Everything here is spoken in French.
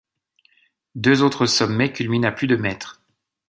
Deux autres sommets culminent à plus de mètres.